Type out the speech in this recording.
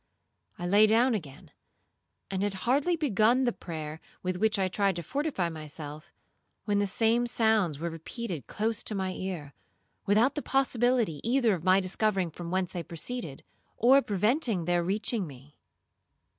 I lay down again, and had hardly begun the prayer with which I tried to fortify myself, when the same sounds were repeated close to my ear, without the possibility either of my discovering from whence they proceeded, or preventing their reaching me.